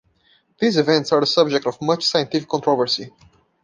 These events are the subject of much scientific controversy.